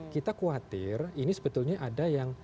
kita khawatir ini sebetulnya ada yang